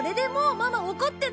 ママ！